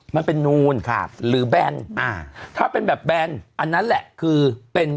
มันเป็นนูนครับหรือแบนอ่าถ้าเป็นแบบแบนอันนั้นแหละคือเป็น